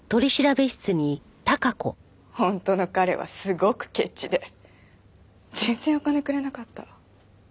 本当の彼はすごくケチで全然お金くれなかった。